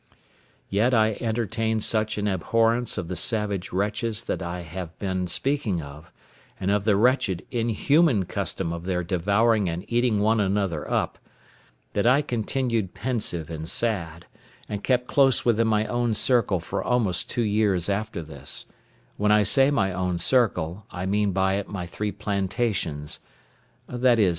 Yet I entertained such an abhorrence of the savage wretches that I have been speaking of, and of the wretched, inhuman custom of their devouring and eating one another up, that I continued pensive and sad, and kept close within my own circle for almost two years after this: when I say my own circle, I mean by it my three plantations—viz.